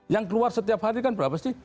yang keluar setiap hari kan berapa sih